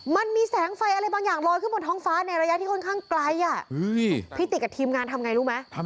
มันมีแสงไฟอะไรบางอย่างลอยขึ้นบนท้องฟ้าในระยะที่ค่อนข้างไกล